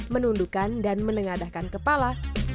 menundukan dan menengadahkan kepala